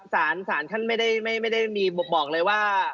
ไม่ครับสารท่านไม่ได้มีบอกเลยว่า